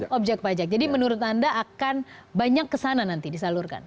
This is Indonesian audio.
objek pajak jadi menurut anda akan banyak kesana nanti disalurkan